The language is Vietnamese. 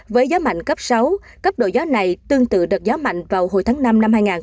với gió mạnh cấp sáu cấp độ gió này tương tự đợt gió mạnh vào hồi tháng năm năm hai nghìn hai mươi